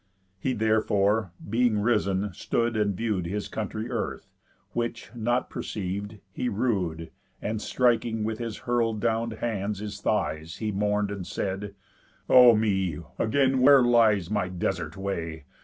He therefore, being risen, stood and view'd His country earth; which, not perceiv'd, he rued, And, striking with his hurl'd down hands his thighs, He mourn'd, and said: "O me! Again where lies My desert way?